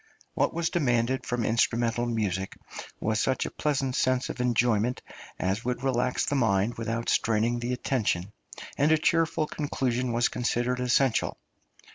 What was demanded from instrumental music was such a pleasant sense of enjoyment as should relax the mind without straining the attention, and a cheerful conclusion was considered essential.